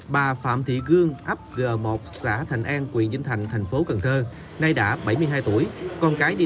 bà phạm thị gương ấp g một xã thành an quyền vĩnh thành tp cn nay đã bảy mươi hai tuổi con cái đi